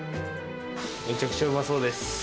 めちゃくちゃうまそうです。